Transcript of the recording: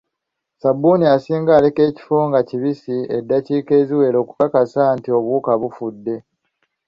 Ssabbuni asinga aleka ekifo nga kibiisi edakiika eziwela okukakasa nti obuwuka bufudde.